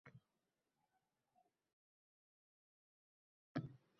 Britaniya diplomatlari Kobulda Tolibon bilan muzokara o‘tkazdi